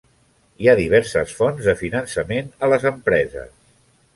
Hi ha diverses fonts de finançament a les empreses.